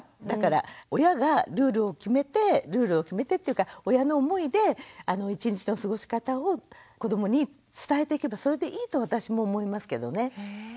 だから親がルールを決めてルールを決めてっていうか親の思いで一日の過ごし方を子どもに伝えていけばそれでいいと私も思いますけどね。